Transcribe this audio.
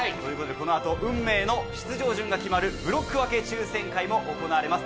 この後、運命の出場順が決まるブロック分け抽選会も行われます。